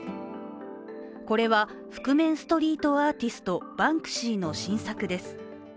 これは、覆面ストリートアーティストバンクシーの新作です。